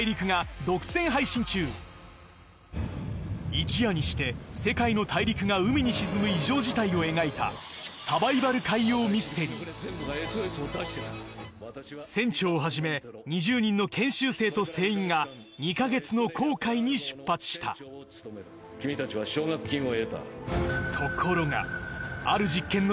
一夜にして世界の大陸が海に沈む異常事態を描いた船長をはじめ２０人の研修生と船員が２か月の航海に出発した君たちは奨学金を得た。